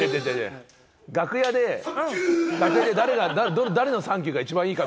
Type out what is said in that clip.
楽屋で、誰の「サンキュー！」が一番いいか？